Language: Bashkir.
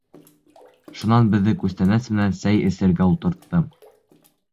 Шунан беҙҙе күстәнәс менән сәй эсергә ултыртты.